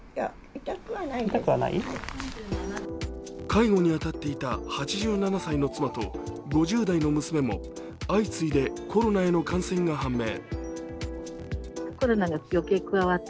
介護に当たっていた８７歳の妻と５０代の娘も相次いでコロナへの感染が判明。